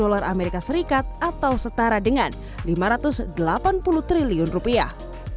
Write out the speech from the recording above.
dolar amerika serikat atau setara dengan lima ratus delapan puluh triliun rupiah